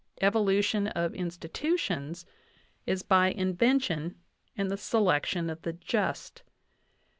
Evolution of institu tions is by invention and the selection of the just.